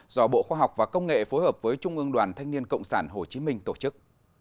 do bộ khoa học và công nghệ phối hợp với trung ương đoàn thanh niên cộng sản hồ chí minh tổ chức